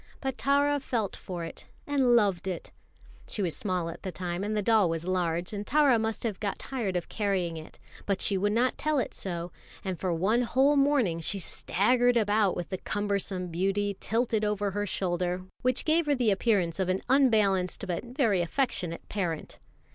But Tara felt for it and loved it. She was small at the time, and the doll was large, and Tara must have got tired of carrying it; but she would not tell it so, and for one whole morning she staggered about with the cumbersome beauty tilted over her shoulder, which gave her the appearance of an unbalanced but very affectionate parent.